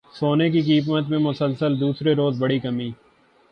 سونے کی قیمت میں مسلسل دوسرے روز بڑی کمی